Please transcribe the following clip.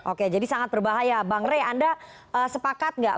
oke jadi sangat berbahaya bang rey anda sepakat nggak